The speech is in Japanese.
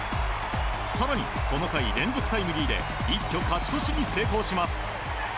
更にこの回、連続タイムリーで一挙勝ち越しに成功します。